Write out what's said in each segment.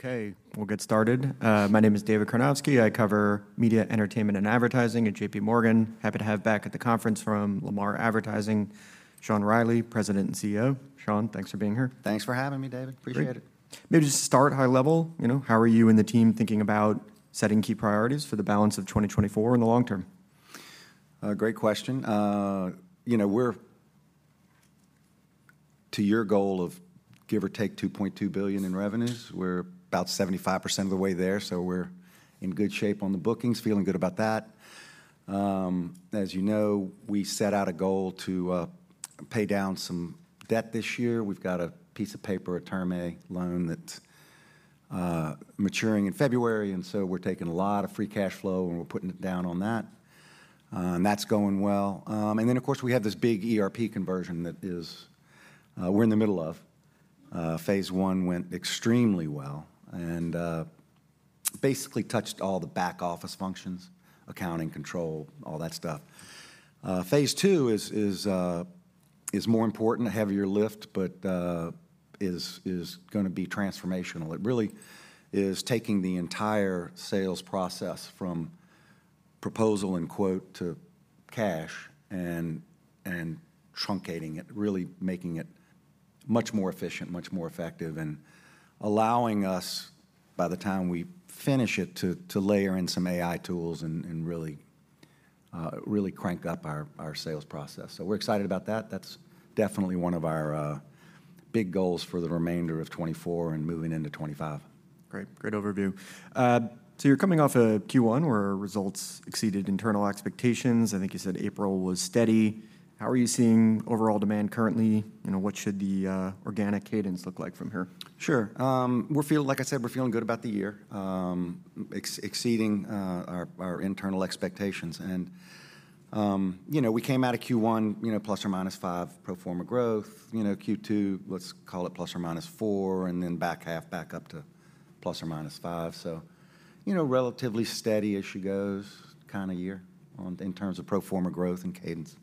Okay, we'll get started. My name is David Karnovsky. I cover media, entertainment, and advertising at JPMorgan. Happy to have back at the conference from Lamar Advertising, Sean Reilly, President and CEO. Sean, thanks for being here. Thanks for having me, David. Great. Appreciate it. Maybe just start high level. You know, how are you and the team thinking about setting key priorities for the balance of 2024 and the long term? Great question. You know, to your goal of give or take $2.2 billion in revenues, we're about 75% of the way there, so we're in good shape on the bookings, feeling good about that. As you know, we set out a goal to pay down some debt this year. We've got a piece of paper, a Term A Loan, that's maturing in February, and so we're taking a lot of free cash flow, and we're putting it down on that. And that's going well. And then, of course, we have this big ERP conversion that we're in the middle of. Phase one went extremely well and basically touched all the back-office functions: accounting, control, all that stuff. Phase two is more important, a heavier lift, but gonna be transformational. It really is taking the entire sales process from proposal and quote to cash and truncating it, really making it much more efficient, much more effective, and allowing us, by the time we finish it, to layer in some AI tools and really crank up our sales process. So we're excited about that. That's definitely one of our big goals for the remainder of 2024 and moving into 2025. Great. Great overview. So you're coming off a Q1 where results exceeded internal expectations. I think you said April was steady. How are you seeing overall demand currently? You know, what should the organic cadence look like from here? Sure. We're feeling good about the year, exceeding our internal expectations. You know, we came out of Q1, you know, ±5 pro forma growth. You know, Q2, let's call it ±4, and then back half back up to ±5. So, you know, relatively steady as she goes kinda year in terms of pro forma growth and cadence.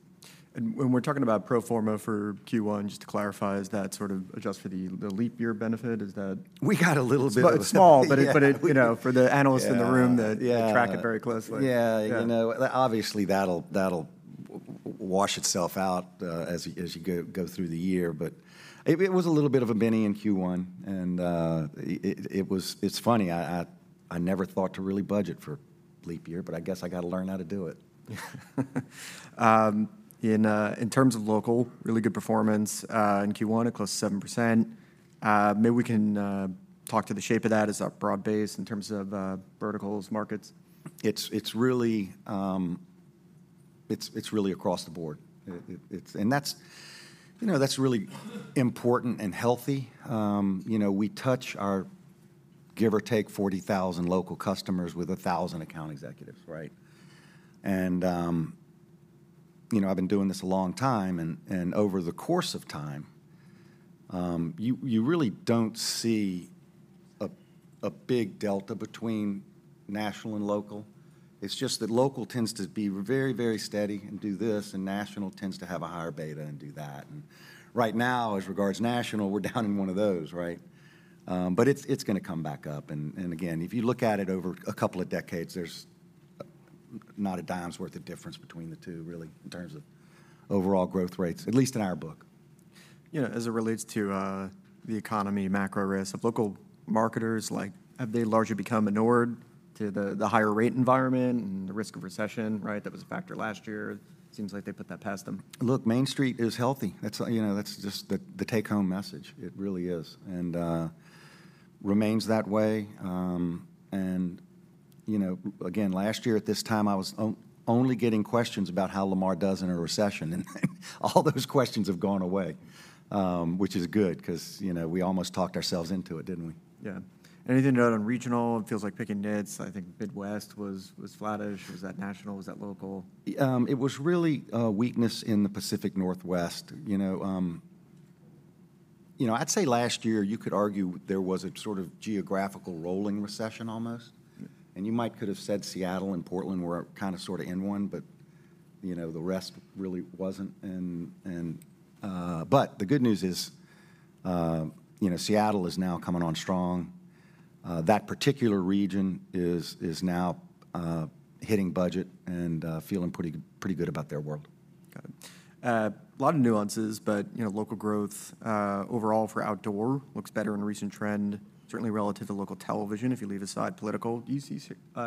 When we're talking about pro forma for Q1, just to clarify, is that sort of adjusted for the leap year benefit? Is that- We got a little bit of- Small- Yeah.... but it, you know, for the analysts in the room- Yeah - that track it very closely. Yeah. Yeah. You know, obviously, that'll wash itself out as you go through the year, but it was a little bit of a mini in Q1, and it was. It's funny, I never thought to really budget for leap year, but I guess I gotta learn how to do it. Yeah. In terms of local, really good performance in Q1 at close to 7%. Maybe we can talk to the shape of that. Is that broad-based in terms of verticals, markets? It's really across the board. And that's, you know, that's really important and healthy. You know, we touch our, give or take, 40,000 local customers with 1,000 account executives, right? And you know, I've been doing this a long time, and over the course of time, you really don't see a big delta between national and local. It's just that local tends to be very, very steady and do this, and national tends to have a higher beta and do that. And right now, as regards national, we're down in one of those, right? But it's gonna come back up. And again, if you look at it over a couple of decades, there's not a dime's worth of difference between the two, really, in terms of overall growth rates, at least in our book. You know, as it relates to the economy, macro risk, have local marketers, like, have they largely become inured to the higher rate environment and the risk of recession, right? That was a factor last year. Seems like they put that past them. Look, Main Street is healthy. That's, you know, that's just the, the take-home message. It really is, and remains that way. And, you know, again, last year at this time, I was only getting questions about how Lamar does in a recession, and all those questions have gone away. Which is good 'cause, you know, we almost talked ourselves into it, didn't we? Yeah. Anything to note on regional? It feels like picking nits. I think Midwest was flattish. Was that national, was that local? It was really a weakness in the Pacific Northwest. You know, you know, I'd say last year you could argue there was a sort of geographical rolling recession almost. Mm-hmm. And you might could have said Seattle and Portland were kinda sorta in one, but, you know, the rest really wasn't. But the good news is, you know, Seattle is now coming on strong. That particular region is now hitting budget and feeling pretty, pretty good about their world. Got it. Lot of nuances, but, you know, local growth overall for outdoor looks better in recent trend, certainly relative to local television, if you leave aside political. Do you see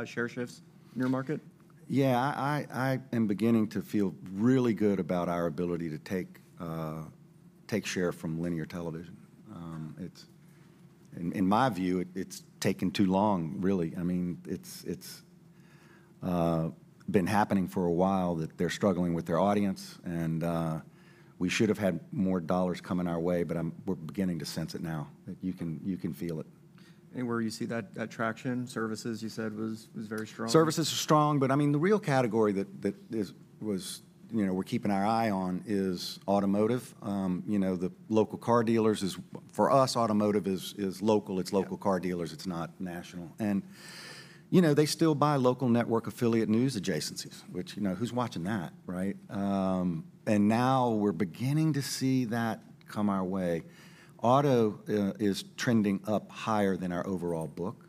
share shifts in your market? Yeah, I am beginning to feel really good about our ability to take share from linear television. In my view, it's taken too long, really. I mean, it's been happening for a while, that they're struggling with their audience, and we should have had more dollars coming our way, but we're beginning to sense it now, that you can feel it. Anywhere you see that traction? Services, you said, was very strong. Services are strong, but, I mean, the real category that was, you know, we're keeping our eye on is automotive. You know, the local car dealers is—for us, automotive is local. Yeah. It's local car dealers. It's not national. And, you know, they still buy local network affiliate news adjacencies, which, you know, who's watching that, right? and now we're beginning to see that come our way. Auto, is trending up higher than our overall book,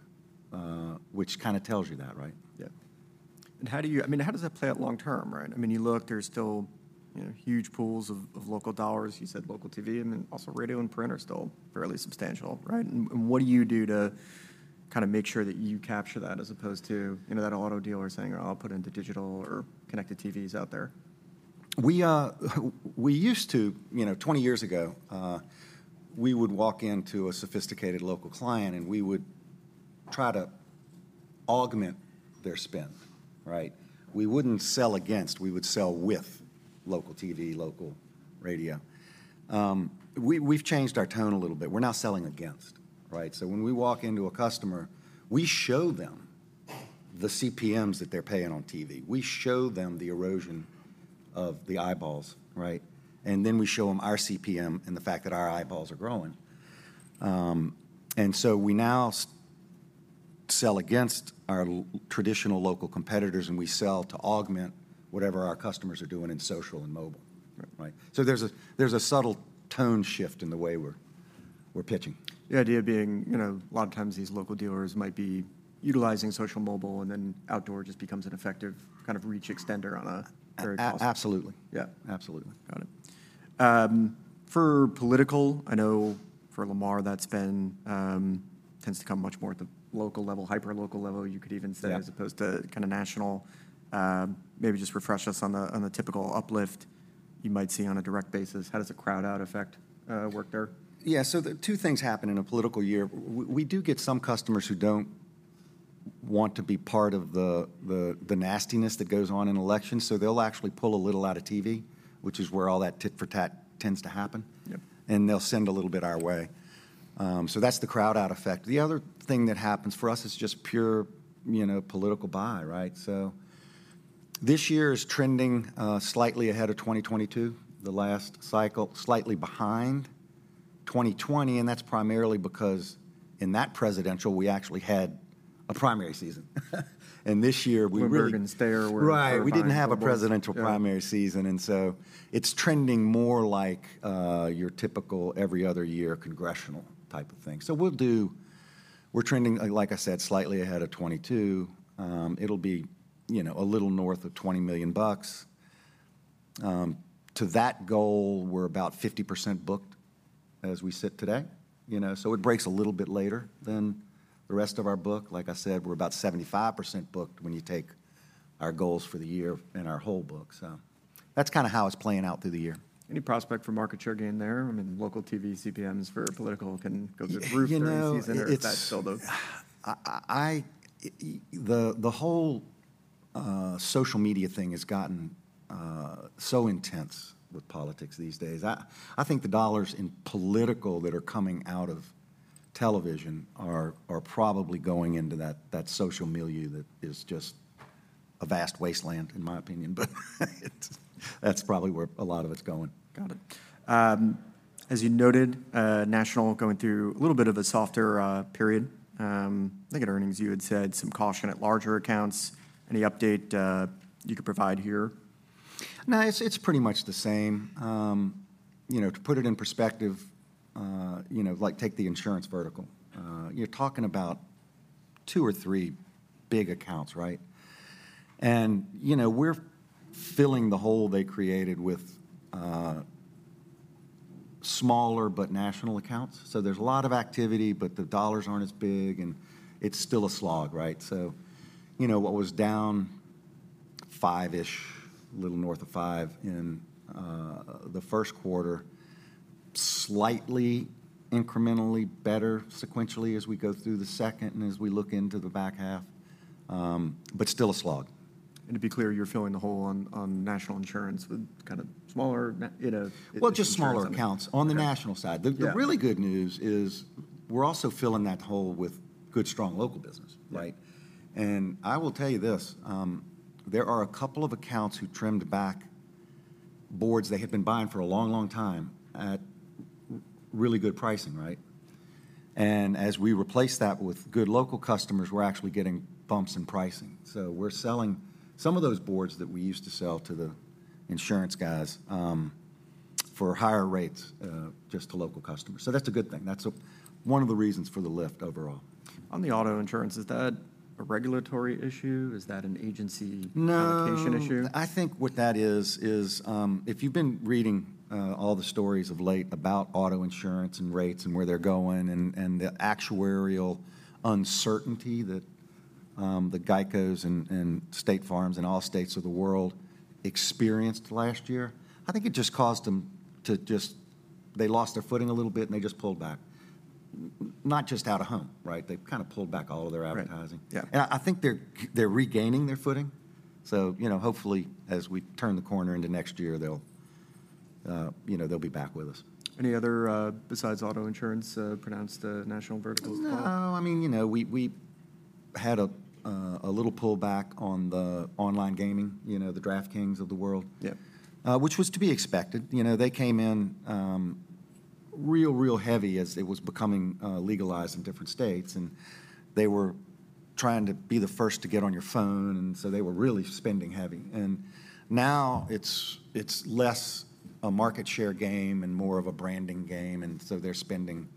which kinda tells you that, right? Yeah. And how do you, I mean, how does that play out long term, right? I mean, you look, there's still, you know, huge pools of local dollars. You said local TV, and then also radio and print are still fairly substantial, right? And what do you do to kinda make sure that you capture that, as opposed to, you know, that auto dealer saying, "Oh, I'll put it into digital or connected TVs out there? We, we used to, you know, 20 years ago, we would walk into a sophisticated local client, and we would try to augment their spend, right? We wouldn't sell against, we would sell with local TV, local radio. We've changed our tone a little bit. We're now selling against, right? So when we walk into a customer, we show them the CPMs that they're paying on TV. We show them the erosion of the eyeballs, right? And then we show them our CPM and the fact that our eyeballs are growing. And so we now sell against our traditional local competitors, and we sell to augment whatever our customers are doing in social and mobile. Right. Right. So there's a subtle tone shift in the way we're pitching. The idea being, you know, a lot of times these local dealers might be utilizing social mobile, and then outdoor just becomes an effective kind of reach extender on a very cost- Absolutely. Yeah. Absolutely. Got it. For political, I know for Lamar, that's been tends to come much more at the local level, hyper-local level, you could even say- Yeah... as opposed to kinda national. Maybe just refresh us on the typical uplift you might see on a direct basis. How does the crowd-out effect work there? Yeah, so two things happen in a political year. We do get some customers who don't want to be part of the nastiness that goes on in elections, so they'll actually pull a little out of TV, which is where all that tit for tat tends to happen. Yep. They'll send a little bit our way. So that's the crowd-out effect. The other thing that happens for us is just pure, you know, political buy, right? So this year is trending, slightly ahead of 2022, the last cycle, slightly behind 2020, and that's primarily because in that presidential, we actually had a primary season. And this year, we were- Rubin is there where- Right ...- We didn't have a presidential- Yeah... primary season, and so it's trending more like, your typical every other year congressional type of thing. So we'll do... We're trending, like I said, slightly ahead of 2022. It'll be, you know, a little north of $20 million. To that goal, we're about 50% booked as we sit today. You know, so it breaks a little bit later than the rest of our book. Like I said, we're about 75% booked when you take our goals for the year and our whole book. So that's kinda how it's playing out through the year. Any prospect for market share gain there? I mean, local TV CPMs for political can go through the roof. You know, it's-... during season, or is that still the- The whole social media thing has gotten so intense with politics these days. I think the dollars in political that are coming out of television are probably going into that social milieu that is just a vast wasteland, in my opinion. But that's probably where a lot of it's going. Got it. As you noted, national going through a little bit of a softer period. I think at earnings, you had said some caution at larger accounts. Any update you could provide here? No, it's, it's pretty much the same. You know, to put it in perspective, you know, like take the insurance vertical. You're talking about two or three big accounts, right? And, you know, we're filling the hole they created with, smaller but national accounts. So there's a lot of activity, but the dollars aren't as big, and it's still a slog, right? So, you know, what was down five-ish, a little north of five in, the first quarter, slightly incrementally better sequentially as we go through the second and as we look into the back half, but still a slog. To be clear, you're filling the hole on national insurance with kind of smaller, you know, insurance. Well, just smaller accounts- Okay... on the national side. Yeah. The really good news is we're also filling that hole with good, strong local business, right? Yeah. I will tell you this: there are a couple of accounts who trimmed back boards they had been buying for a long, long time at really good pricing, right? As we replace that with good local customers, we're actually getting bumps in pricing. So we're selling some of those boards that we used to sell to the insurance guys, for higher rates, just to local customers. So that's a good thing. That's one of the reasons for the lift overall. On the auto insurance, is that a regulatory issue? Is that an agency- No... allocation issue? I think what that is, if you've been reading all the stories of late about auto insurance and rates and where they're going and the actuarial uncertainty that the GEICO and State Farm in all states of the world experienced last year, I think it just caused them to just... They lost their footing a little bit, and they just pulled back. Not just out of home, right? They've kind of pulled back all of their advertising. Right. Yeah. I think they're regaining their footing, so, you know, hopefully, as we turn the corner into next year, they'll, you know, they'll be back with us. Any other prominent national verticals besides auto insurance? No, I mean, you know, we had a little pullback on the online gaming, you know, the DraftKings of the world- Yeah... which was to be expected. You know, they came in, real, real heavy as it was becoming legalized in different states, and they were trying to be the first to get on your phone, and so they were really spending heavy. And now it's, it's less a market share game and more of a branding game, and so they're spending,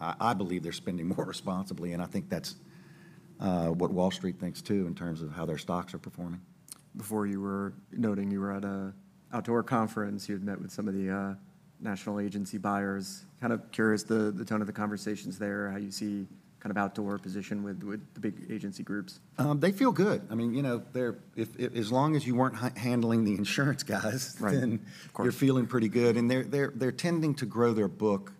I believe they're spending more responsibly, and I think that's what Wall Street thinks, too, in terms of how their stocks are performing. Before you were noting you were at an outdoor conference. You had met with some of the national agency buyers. Kind of curious the tone of the conversations there, how you see kind of outdoor position with the big agency groups. They feel good. I mean, you know, they're if as long as you weren't handling the insurance guys - Right... then- Of course... you're feeling pretty good, and they're tending to grow their book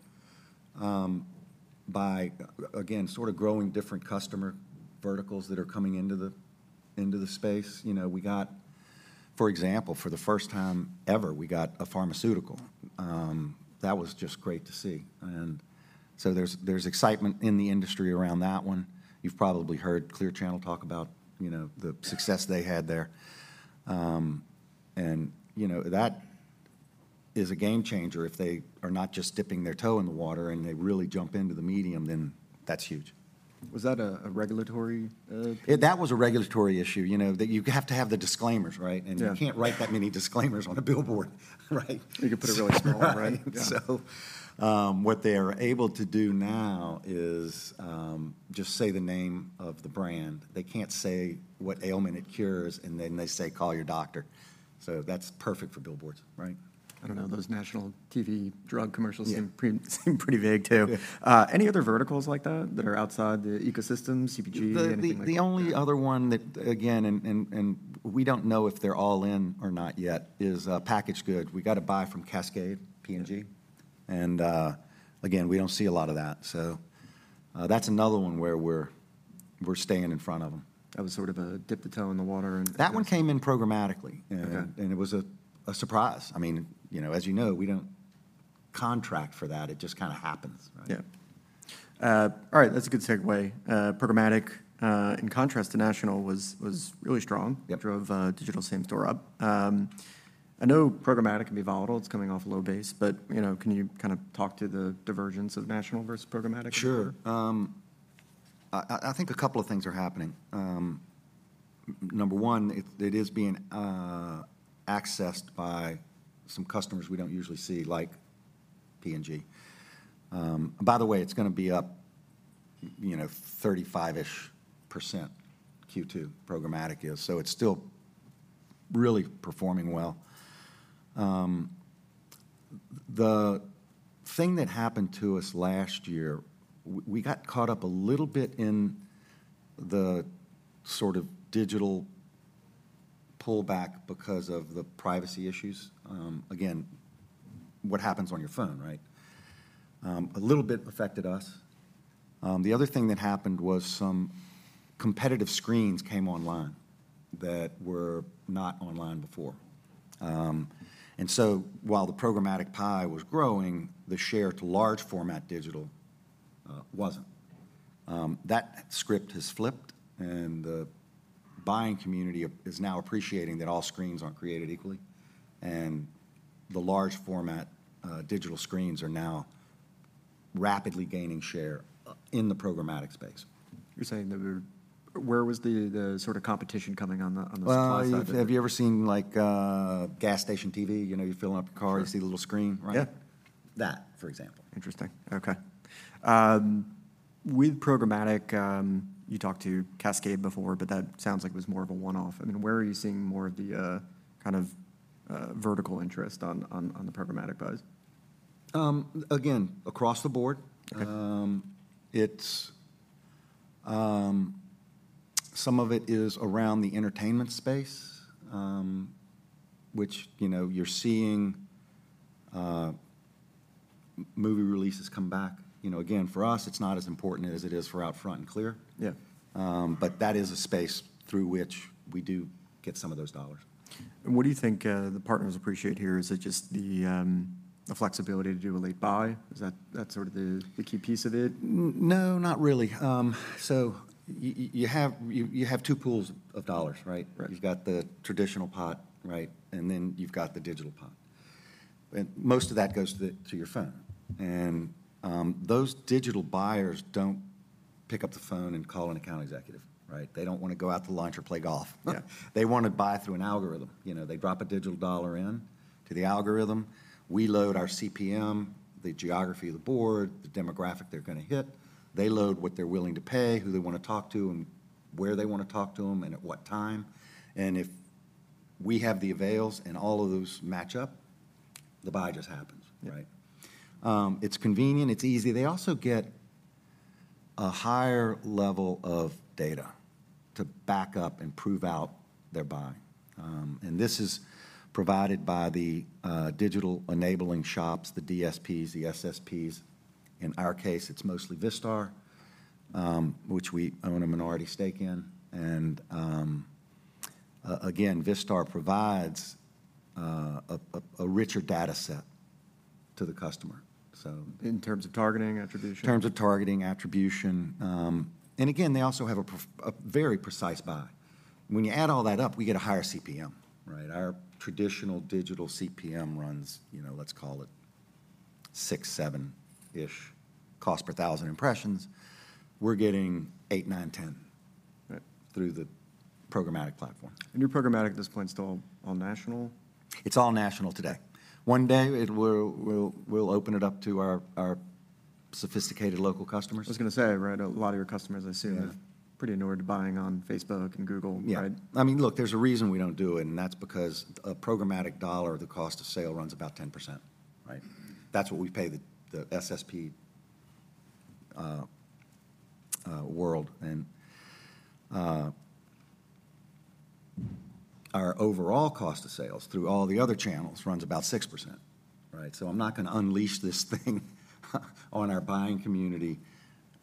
by again sort of growing different customer verticals that are coming into the space. You know, we got, for example, for the first time ever, we got a pharmaceutical. That was just great to see. And so there's excitement in the industry around that one. You've probably heard Clear Channel talk about, you know- Yeah... the success they had there. You know, that is a game changer if they are not just dipping their toe in the water and they really jump into the medium, then that's huge. Was that a regulatory thing? That was a regulatory issue, you know, that you have to have the disclaimers, right? Yeah. You can't write that many disclaimers on a billboard, right? You can put it really small, right? Yeah. So, what they're able to do now is just say the name of the brand. They can't say what ailment it cures, and then they say, "Call your doctor." So that's perfect for billboards, right? I don't know, those national TV drug commercials- Yeah... seem pretty vague, too. Yeah. Any other verticals like that, that are outside the ecosystem, CPG, anything like that? The only other one that we don't know if they're all in or not yet is packaged goods. We got a buy from Cascade, P&G. Yeah. And, again, we don't see a lot of that. So, that's another one where we're staying in front of them. That was sort of a dip the toe in the water and- That one came in programmatically. Okay. It was a surprise. I mean, you know, as you know, we don't contract for that. It just kind of happens, right? Yeah. All right, that's a good segue. Programmatic, in contrast to national, was really strong. Yeah. Drove digital same store up. I know programmatic can be volatile. It's coming off a low base, but, you know, can you kind of talk to the divergence of national versus programmatic? Sure. I think a couple of things are happening. Number one, it is being accessed by some customers we don't usually see, like P&G. By the way, it's gonna be up, you know, 35-ish%, Q2, programmatic is, so it's still really performing well. The thing that happened to us last year, we got caught up a little bit in the sort of digital pullback because of the privacy issues. Again, what happens on your phone, right? The other thing that happened was some competitive screens came online that were not online before. And so while the programmatic pie was growing, the share to large-format digital wasn't. That script has flipped, and the buying community is now appreciating that all screens aren't created equally, and the large-format digital screens are now rapidly gaining share in the programmatic space. You're saying that we're... Where was the sort of competition coming on the supply side of it? Have you ever seen, like, a gas station TV? You know, you're filling up your car- Sure... you see the little screen, right? Yeah. That, for example. Interesting. Okay. With programmatic, you talked to Cascade before, but that sounds like it was more of a one-off. I mean, where are you seeing more of the kind of vertical interest on the programmatic buys? Again, across the board. Okay. Some of it is around the entertainment space, which, you know, you're seeing movie releases come back. You know, again, for us, it's not as important as it is for OUTFRONT and Clear. Yeah. But that is a space through which we do get some of those dollars. What do you think the partners appreciate here? Is it just the flexibility to do what they buy? Is that that's sort of the key piece of it? No, not really. So you have two pools of dollars, right? Right. You've got the traditional pot, right? And then you've got the digital pot, and most of that goes to the, to your phone. And, those digital buyers don't pick up the phone and call an account executive, right? They don't wanna go out to lunch or play golf. Yeah. They wanna buy through an algorithm. You know, they drop a digital dollar in to the algorithm. We load our CPM, the geography of the board, the demographic they're gonna hit. They load what they're willing to pay, who they wanna talk to, and where they wanna talk to them, and at what time. And if we have the avails and all of those match up, the buy just happens. Yeah. Right? It's convenient, it's easy. They also get a higher level of data to back up and prove out their buying. And this is provided by the digital enabling shops, the DSPs, the SSPs. In our case, it's mostly Vistar, which we own a minority stake in. And again, Vistar provides a richer data set to the customer, so- In terms of targeting, attribution? In terms of targeting, attribution. Again, they also have a very precise buy.... When you add all that up, we get a higher CPM, right? Our traditional digital CPM runs, you know, let's call it six, seven-ish cost per thousand impressions. We're getting 8eight, nine, ten, right, through the programmatic platform. Your programmatic at this point is still all national? It's all national today. One day, we'll open it up to our sophisticated local customers. I was gonna say, right, a lot of your customers, I assume- Yeah... are pretty inured to buying on Facebook and Google- Yeah -right? I mean, look, there's a reason we don't do it, and that's because a programmatic dollar, the cost of sale runs about 10%, right? That's what we pay the SSP world. And our overall cost of sales through all the other channels runs about 6%, right? So I'm not gonna unleash this thing on our buying community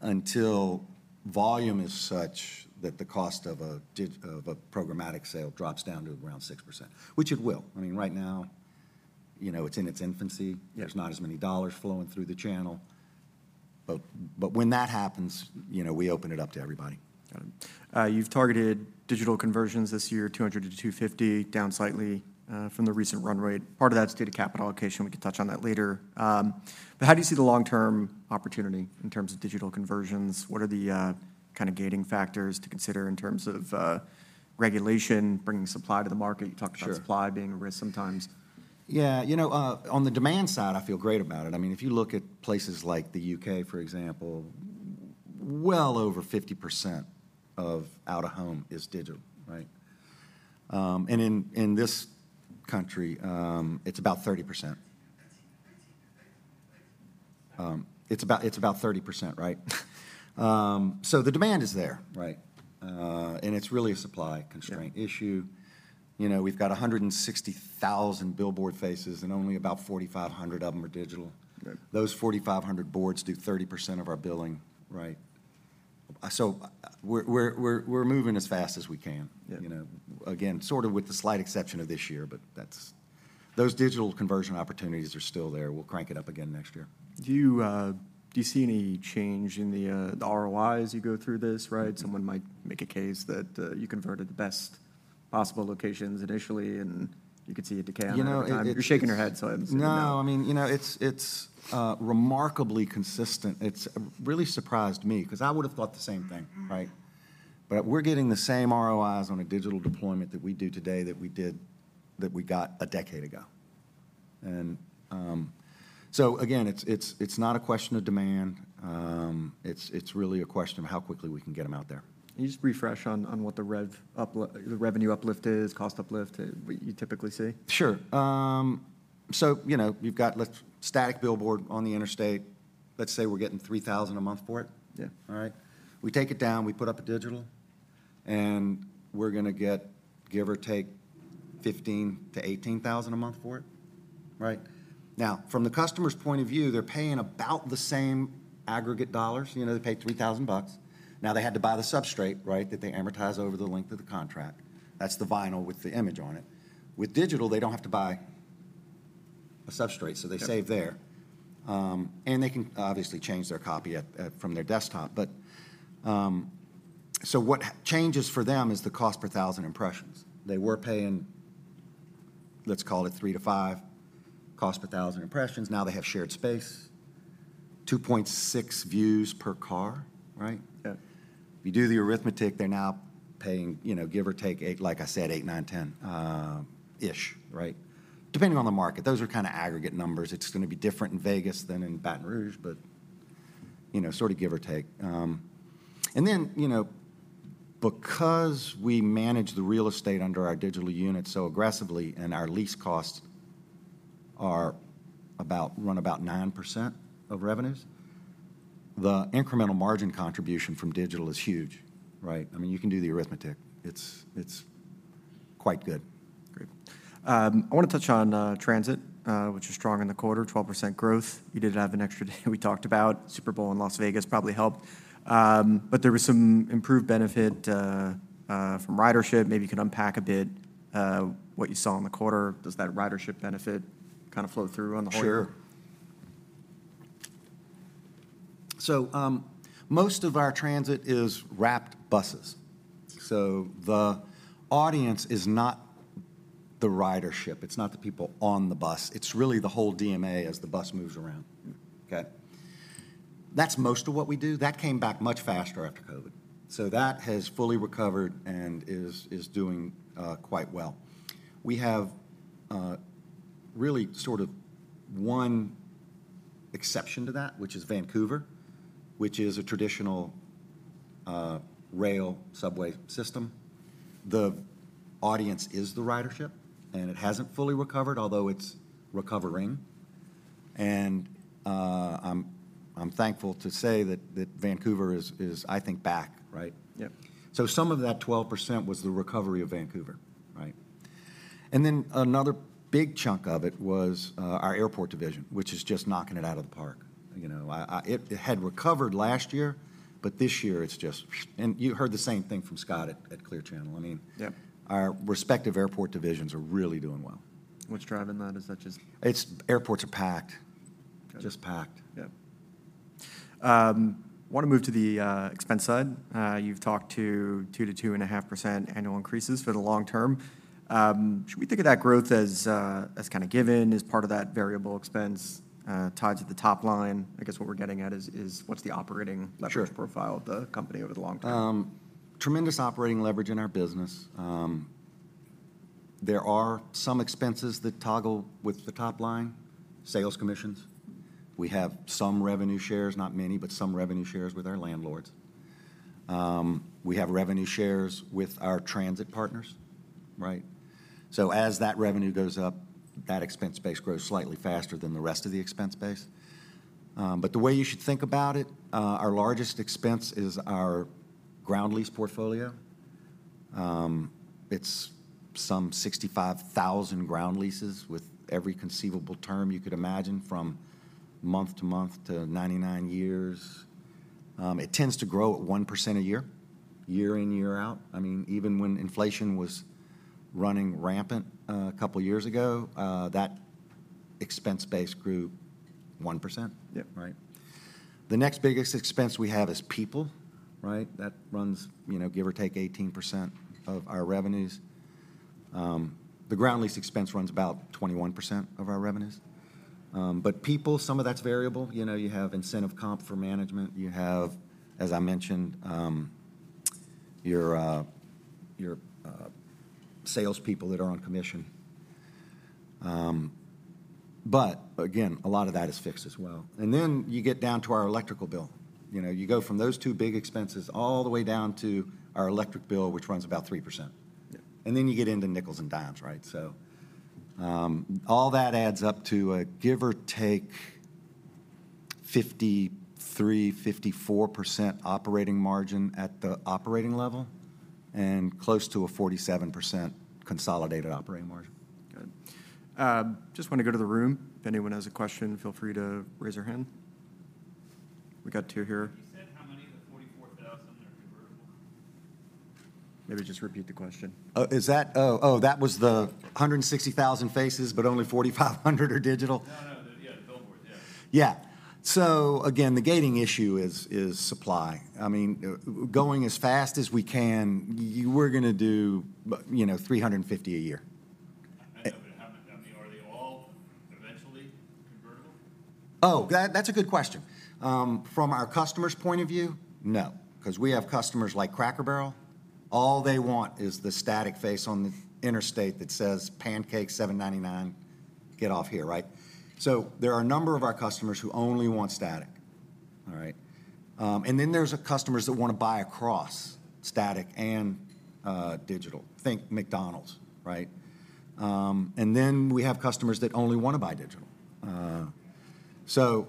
until volume is such that the cost of a dig-- of a programmatic sale drops down to around 6%, which it will. I mean, right now, you know, it's in its infancy. Yeah. There's not as many dollars flowing through the channel, but when that happens, you know, we open it up to everybody. Got it. You've targeted digital conversions this year, 200-250, down slightly, from the recent run rate. Part of that's due to capital allocation. We can touch on that later. But how do you see the long-term opportunity in terms of digital conversions? What are the, kind of gating factors to consider in terms of, regulation, bringing supply to the market? Sure. You talked about supply being a risk sometimes. Yeah. You know, on the demand side, I feel great about it. I mean, if you look at places like the U.K., for example, well over 50% of out-of-home is digital, right? And in, in this country, it's about 30%.... It's about, it's about 30%, right? So the demand is there, right? And it's really a supply constraint- Yeah ... issue. You know, we've got 160,000 billboard faces, and only about 4,500 of them are digital. Right. Those 4,500 boards do 30% of our billing, right? So we're moving as fast as we can. Yeah. You know, again, sort of with the slight exception of this year, but that's... Those digital conversion opportunities are still there. We'll crank it up again next year. Do you see any change in the ROIs you go through this, right? Someone might make a case that you converted the best possible locations initially, and you could see a decay over time. You know, it- You're shaking your head, so I assume no. No, I mean, you know, it's, it's, remarkably consistent. It's really surprised me, 'cause I would've thought the same thing, right? But we're getting the same ROIs on a digital deployment that we do today that we did, that we got a decade ago. And, so again, it's, it's, it's not a question of demand. It's, it's really a question of how quickly we can get them out there. Can you just refresh on what the revenue uplift is, cost uplift, what you typically see? Sure. So, you know, you've got static billboard on the interstate. Let's say we're getting $3,000 a month for it. Yeah. All right? We take it down, we put up a digital, and we're gonna get, give or take, $15,000-$18,000 a month for it. Right? Now, from the customer's point of view, they're paying about the same aggregate dollars. You know, they paid $3,000 bucks. Now, they had to buy the substrate, right, that they amortize over the length of the contract. That's the vinyl with the image on it. With digital, they don't have to buy a substrate- Yeah... so they save there. And they can obviously change their copy from their desktop. But so what changes for them is the cost per thousand impressions. They were paying, let's call it $3-$5 cost per thousand impressions. Now they have shared space, 2.6 views per car, right? Yeah. If you do the arithmetic, they're now paying, you know, give or take, $8, like I said, $8, $9, $10 ish, right? Depending on the market, those are kinda aggregate numbers. It's gonna be different in Vegas than in Baton Rouge, but, you know, sort of give or take. And then, you know, because we manage the real estate under our digital unit so aggressively, and our lease costs are about, run about 9% of revenues, the incremental margin contribution from digital is huge, right? I mean, you can do the arithmetic. It's, it's quite good. Great. I wanna touch on, transit, which is strong in the quarter, 12% growth. You did have an extra day we talked about. Super Bowl in Las Vegas probably helped. But there was some improved benefit, from ridership. Maybe you can unpack a bit, what you saw in the quarter. Does that ridership benefit kind of flow through on the whole? Sure. So, most of our transit is wrapped buses. So the audience is not the ridership. It's not the people on the bus. It's really the whole DMA as the bus moves around. Mm-hmm. Okay? That's most of what we do. That came back much faster after COVID, so that has fully recovered and is doing quite well. We have really sort of one exception to that, which is Vancouver, which is a traditional rail subway system. The audience is the ridership, and it hasn't fully recovered, although it's recovering. And I'm thankful to say that Vancouver is, I think, back, right? Yep. So some of that 12% was the recovery of Vancouver, right? And then another big chunk of it was our airport division, which is just knocking it out of the park. You know, it had recovered last year, but this year it's just... And you heard the same thing from Scott at Clear Channel. I mean- Yep... our respective airport divisions are really doing well. What's driving that? Is that just- It's airports are packed. Okay. Just packed. Yep. Wanna move to the expense side. You've talked to 2%-2.5% annual increases for the long term. Should we think of that growth as kind of given, as part of that variable expense, tied to the top line? I guess what we're getting at is what's the operating- Sure Leverage profile of the company over the long term? Tremendous operating leverage in our business. There are some expenses that toggle with the top line. Sales commissions. We have some revenue shares, not many, but some revenue shares with our landlords. We have revenue shares with our transit partners, right? So as that revenue goes up, that expense base grows slightly faster than the rest of the expense base. But the way you should think about it, our largest expense is our ground lease portfolio. It's some 65,000 ground leases with every conceivable term you could imagine, from month to month to 99 years. It tends to grow at 1% a year, year in, year out. I mean, even when inflation was running rampant, a couple of years ago, that expense base grew 1%. Yep. Right. The next biggest expense we have is people, right? That runs, you know, give or take 18% of our revenues. The ground lease expense runs about 21% of our revenues. But people, some of that's variable. You know, you have incentive comp for management. You have, as I mentioned, your salespeople that are on commission. But again, a lot of that is fixed as well. And then you get down to our electrical bill. You know, you go from those two big expenses all the way down to our electric bill, which runs about 3%. Yeah. And then you get into nickels and dimes, right? So, all that adds up to a give or take 53%-54% operating margin at the operating level, and close to a 47% consolidated operating margin. Good. Just wanna go to the room. If anyone has a question, feel free to raise your hand. We got two here. You said how many of the 44,000 are convertible? Maybe just repeat the question. Oh, that was the 160,000 faces, but only 4,500 are digital? No, no, the yeah, the billboards. Yeah. Yeah. So again, the gating issue is supply. I mean, going as fast as we can, we're gonna do, you know, 350 a year. I know, but how many- I mean, are they all eventually convertible? Oh, that, that's a good question. From our customer's point of view, no, 'cause we have customers like Cracker Barrel. All they want is the static face on the interstate that says, "Pancakes, $7.99. Get off here," right? So there are a number of our customers who only want static. All right? And then there's our customers that wanna buy across static and digital. Think McDonald's, right? And then we have customers that only wanna buy digital. So,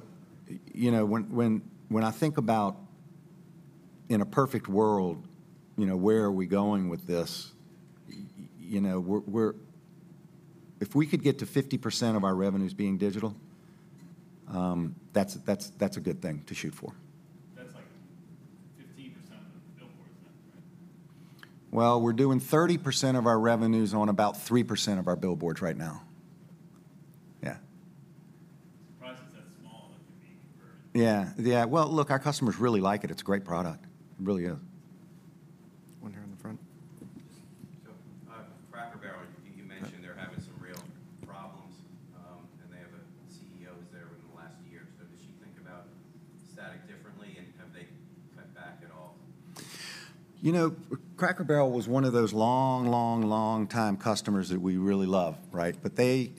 you know, when I think about in a perfect world, you know, where are we going with this? You know, we're If we could get to 50% of our revenues being digital, that's a good thing to shoot for. That's like 15% of the billboards then, right? Well, we're doing 30% of our revenues on about 3% of our billboards right now. Yeah. Surprised it's that small looking to being converted. Yeah. Yeah. Well, look, our customers really like it. It's a great product. It really is. One here in the front. Just so, Cracker Barrel, you mentioned they're having some real problems, and they have a CEO that was there within the last year. So does she think about static differently, and have they cut back at all? You know, Cracker Barrel was one of those long, long, long-time customers that we really love, right? But they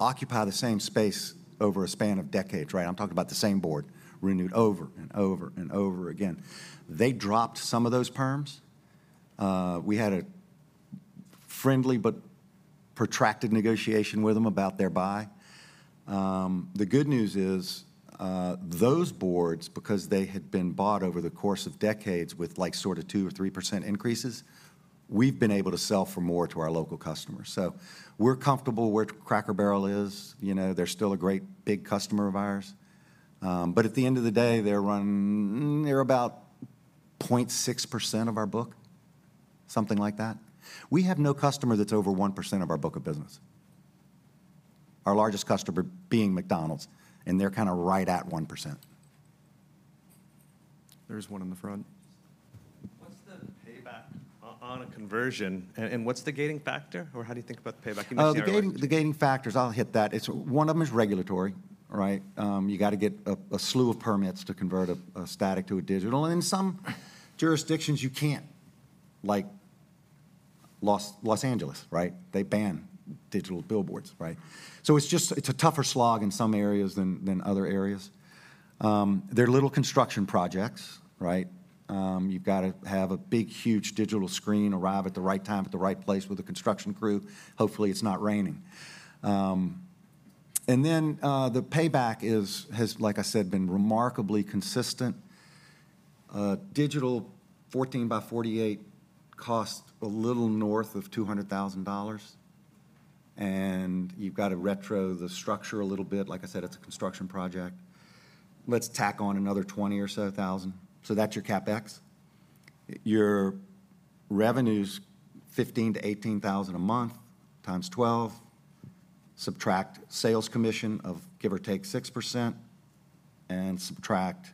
occupy the same space over a span of decades, right? I'm talking about the same board, renewed over and over and over again. They dropped some of those terms. We had a friendly but protracted negotiation with them about their buy. The good news is, those boards, because they had been bought over the course of decades with, like, sort of 2% or 3% increases, we've been able to sell for more to our local customers. So we're comfortable where Cracker Barrel is. You know, they're still a great big customer of ours. But at the end of the day, they're running. They're about 0.6% of our book, something like that. We have no customer that's over 1% of our book of business. Our largest customer being McDonald's, and they're kind of right at 1%. There's one in the front. What's the payback on a conversion, and what's the gating factor, or how do you think about the payback? Give me the- The gating factors, I'll hit that. It's one of them is regulatory, right? You gotta get a slew of permits to convert a static to a digital. In some jurisdictions, you can't, like Los Angeles, right? They ban digital billboards, right? So it's just a tougher slog in some areas than other areas. They're little construction projects, right? You've got to have a big, huge digital screen arrive at the right time, at the right place with a construction crew. Hopefully, it's not raining. And then, the payback has, like I said, been remarkably consistent. Digital 14 by 48 costs a little north of $200,000, and you've got to retro the structure a little bit. Like I said, it's a construction project. Let's tack on another $20,000 or so. So that's your CapEx. Your revenue's $15,000-$18,000 a month times 12, subtract sales commission of give or take 6%, and subtract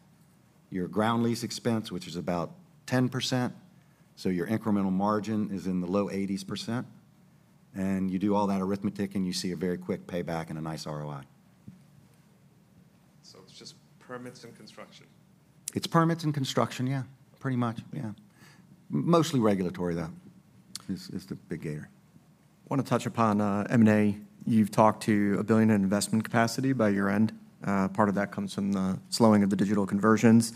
your ground lease expense, which is about 10%. So your incremental margin is in the low 80s%, and you do all that arithmetic, and you see a very quick payback and a nice ROI. It's just permits and construction? It's permits and construction, yeah. Pretty much, yeah. Mostly regulatory, though, is the big gainer. I wanna touch upon M&A. You've talked to $1 billion in investment capacity by year-end. Part of that comes from the slowing of the digital conversions.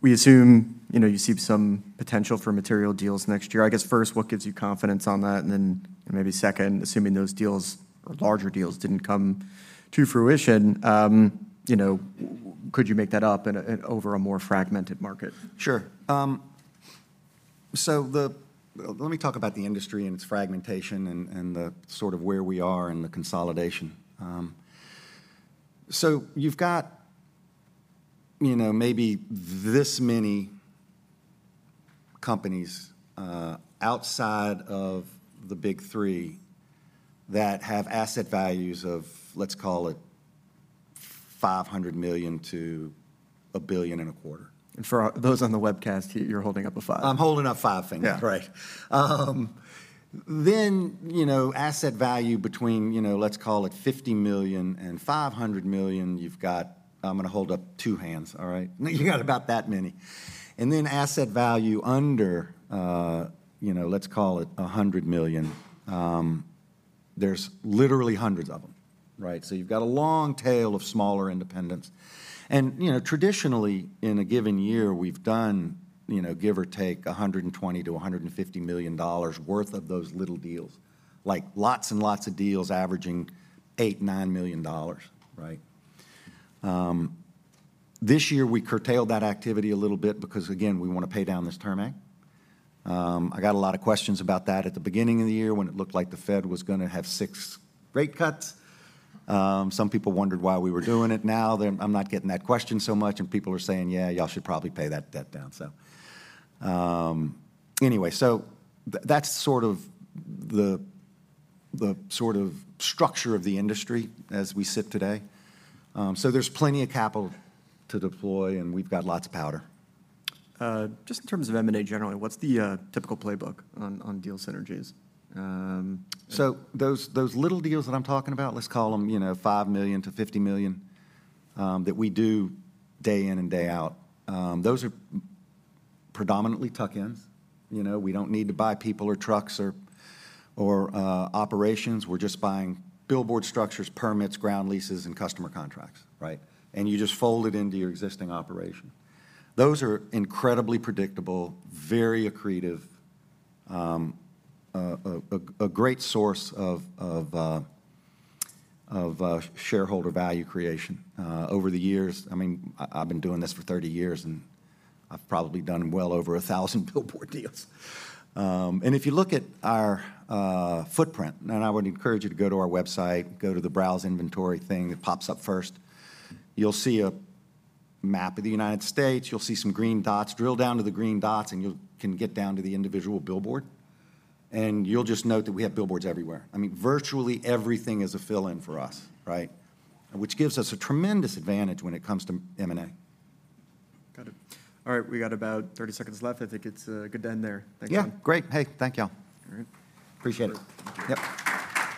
We assume, you know, you see some potential for material deals next year. I guess, first, what gives you confidence on that? And then maybe second, assuming those deals or larger deals didn't come to fruition, you know, could you make that up in a, in over a more fragmented market? Sure. So the—let me talk about the industry and its fragmentation and, and the sort of where we are in the consolidation. So you've got, you know, maybe this many companies outside of the big three that have asset values of, let's call it, $500 million-$1.25 billion. For those on the webcast, you're holding up a five. I'm holding up five fingers. Yeah. Right. Then, you know, asset value between, you know, let's call it, $50 million and $500 million, you've got... I'm gonna hold up two hands, all right? You've got about that many. And then asset value under, you know, let's call it, $100 million, there's literally hundreds of them, right? So you've got a long tail of smaller independents. And, you know, traditionally, in a given year, we've done, you know, give or take, $120 million-$150 million worth of those little deals, like, lots and lots of deals averaging $8 million-$9 million, right? This year, we curtailed that activity a little bit because, again, we wanna pay down this term debt. I got a lot of questions about that at the beginning of the year when it looked like the Fed was gonna have six rate cuts. Some people wondered why we were doing it. Now, they're—I'm not getting that question so much, and people are saying: "Yeah, y'all should probably pay that debt down." So, anyway, so that's sort of the sort of structure of the industry as we sit today. So there's plenty of capital to deploy, and we've got lots of powder. Just in terms of M&A generally, what's the typical playbook on deal synergies? So those little deals that I'm talking about, let's call them, you know, $5 million-$50 million, that we do day in and day out, those are predominantly tuck-ins. You know, we don't need to buy people or trucks or operations. We're just buying billboard structures, permits, ground leases, and customer contracts, right? And you just fold it into your existing operation. Those are incredibly predictable, very accretive, a great source of shareholder value creation. Over the years... I mean, I've been doing this for 30 years, and I've probably done well over 1,000 billboard deals. And if you look at our footprint, and I would encourage you to go to our website, go to the Browse Inventory thing that pops up first, you'll see a map of the United States. You'll see some green dots. Drill down to the green dots, and you can get down to the individual billboard, and you'll just note that we have billboards everywhere. I mean, virtually everything is a fill-in for us, right? Which gives us a tremendous advantage when it comes to M&A. Got it. All right, we got about 30 seconds left. I think it's a good end there. Thank you. Yeah, great. Hey, thank y'all. All right. Appreciate it. Thank you. Yep.